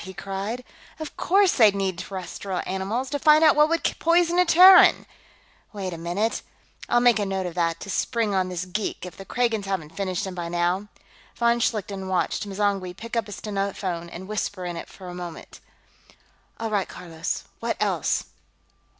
he cried. "Of course they'd need terrestrial animals, to find out what would poison a Terran! Wait a minute; I'll make a note of that, to spring on this geek, if the Kragans haven't finished him by now." Von Schlichten watched M'zangwe pick up a stenophone and whisper into it for a moment. "All right, Carlos, what else?"